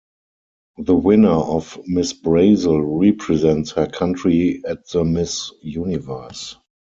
The winner of Miss Brasil represents her country at the Miss Universe.